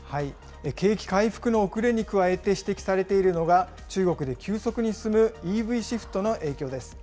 景気回復の遅れに加えて指摘されているのが、中国で急速に進むＥＶシフトの影響です。